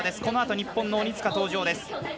このあと日本の鬼塚、登場です。